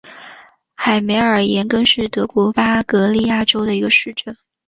海梅尔廷根是德国巴伐利亚州的一个市镇。